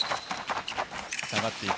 下がっていく。